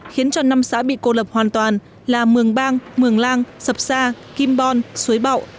khiến cho năm xã bị cô lập hoàn toàn là mường bang mường la sập sa kim bon suối bậu